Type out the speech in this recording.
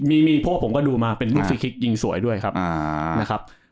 มีเพราะว่าผมก็ดูมาเป็นลิฟท์ฟรีคลิกยิ่งสวยด้วยครับ